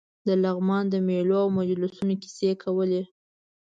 د لغمان د مېلو او مجلسونو کیسې کولې.